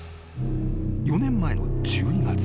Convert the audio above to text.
［４年前の１２月。